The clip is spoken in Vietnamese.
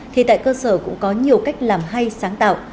thì tại cơ sở cũng có nhiều cách làm hay sáng tạo